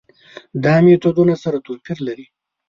دا میتودونه سره توپیر لري.